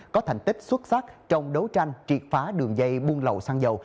có thành tích xuất sắc trong đấu tranh triệt phá đường dây buôn lậu xăng dầu